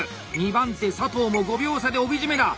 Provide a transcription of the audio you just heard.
２番手佐藤も５秒差で帯締めだ！